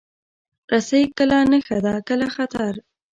رسۍ کله نښه ده، کله خطر.